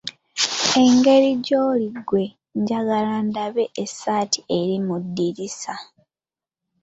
Engeri gyoli ggwe njagala ndabe essaati eri mu ddirisa.